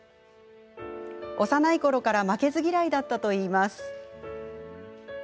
幼いころから負けず嫌いだったといいます。